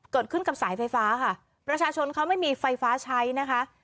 เกิดขึ้นกับสายไฟฟ้าค่ะประชาชนเขาไม่มีไฟฟ้าใช้นะคะ